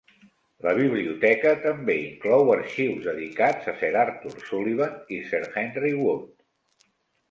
La biblioteca també inclou arxius dedicats a Sir Arthur Sullivan i Sir Henry Wood.